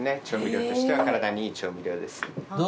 調味料としては体にいい調味料です。